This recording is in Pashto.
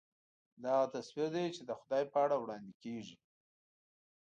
دا هغه تصویر دی چې خدای په اړه وړاندې کېږي.